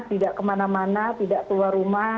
tidak kemana mana tidak keluar rumah